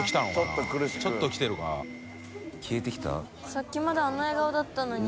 さっきまであんな笑顔だったのに。